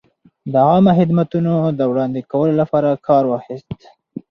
د عامه خدمتونو د وړاندې کولو لپاره کار واخیست.